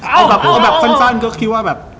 เอาเอาแบบสั้นก็คิดว่าแบบ